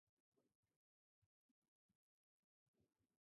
Beyond the basic cardinals and ordinals, Japanese has other types of numerals.